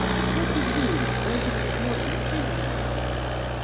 What did he, Reginald Morton, think about it?